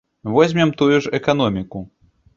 Возьмем тую ж эканоміку.